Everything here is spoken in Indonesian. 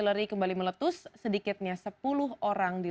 lalu ke ke distrikase atau wrong